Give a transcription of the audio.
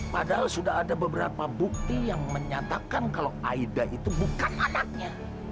padahal sudah ada beberapa bukti yang menyatakan kalau aida itu bukan anaknya